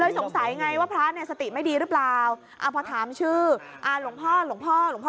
สงสัยไงว่าพระเนี่ยสติไม่ดีหรือเปล่าอ่าพอถามชื่ออ่าหลวงพ่อหลวงพ่อ